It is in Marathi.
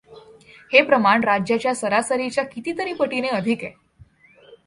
हे प्रमाण राज्याच्या सरासरीच्या कितीतरी पटीने अधिक आहे.